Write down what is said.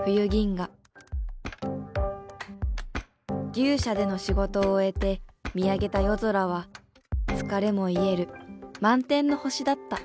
牛舎での仕事を終えて見上げた夜空は疲れも癒える満天の星だった。